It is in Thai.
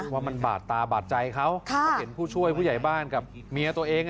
ว่ามันบาดตาบาดใจเขาก็เห็นผู้ช่วยผู้ใหญ่บ้านกับเมียตัวเอง